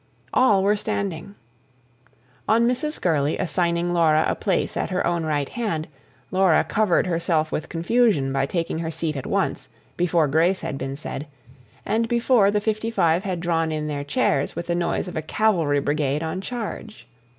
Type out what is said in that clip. All were standing. On Mrs. Gurley assigning Laura a place at her own right hand, Laura covered herself with confusion by taking her seat at once, before grace had been said, and before the fifty five had drawn in their chairs with the noise of a cavalry brigade on charge.